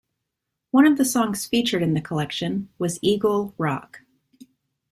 One of the songs featured in the collection was 'Eagle Rock'.